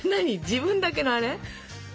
自分だけのあれ？